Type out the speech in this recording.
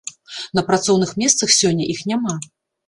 На працоўных месцах сёння іх няма.